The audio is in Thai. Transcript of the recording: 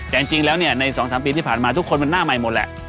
แต่จริงแล้วเนี่ยใน๒๓ปีที่ผ่านมาทุกคนมันหน้าใหม่หมดแหละ